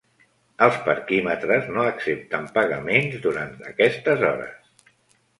Els parquímetres no accepten pagaments durant aquestes hores.